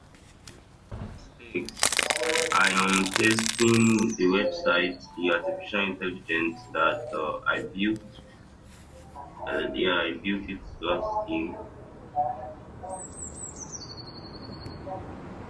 The courthouse is served by a stop on Boston's Silver Line.